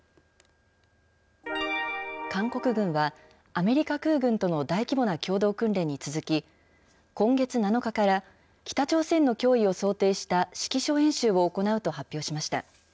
韓国軍は、アメリカ空軍との大規模な共同訓練に続き、今月７日から、北朝鮮の脅威を想定した指揮所演習を行うと発表しました。